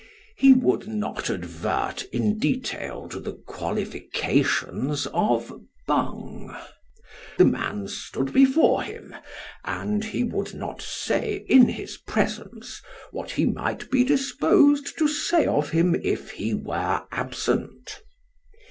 He would not advert in detail to the qualifi cations of Bung. The man stood before him, and he would not say in his presence, what he might be disposed to say of him, if he were absent.